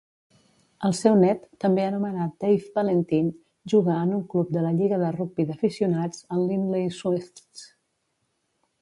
El seu net, també anomenat Dave Valentine, juga en un club de la lliga de rugbi d'aficionats, el Lindley Swifts.